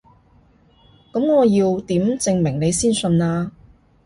噉我要點證明你先信啊？